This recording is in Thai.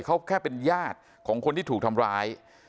เขาแค่เป็นญาติของคนที่ถูกทำร้าย